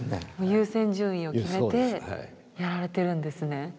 優先順位を決めてやられてるんですね。